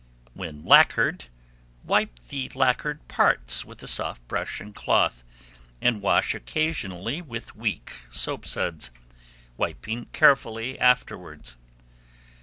When lacquered, wipe the lacquered parts with a soft brush and cloth, and wash occasionally with weak soapsuds, wiping carefully afterwards.